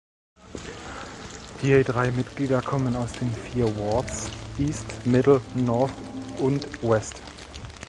Je drei Mitglieder kommen aus den vier Wards East, Middle, North und West.